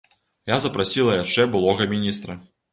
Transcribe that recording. Я запрасіла яшчэ былога міністра.